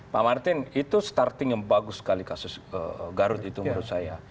pak martin itu starting yang bagus sekali kasus garut itu menurut saya